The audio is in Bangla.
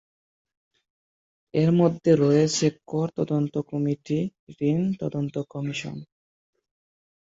এর মধ্যে রয়েছে কর তদন্ত কমিটি, ঋণ তদন্ত কমিশন।